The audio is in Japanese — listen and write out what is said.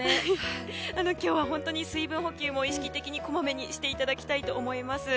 今日は、本当に水分補給も意識的にこまめにしていただきたいと思います。